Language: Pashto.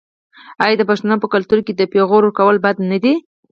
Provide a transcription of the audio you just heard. آیا د پښتنو په کلتور کې د پیغور ورکول بد نه دي؟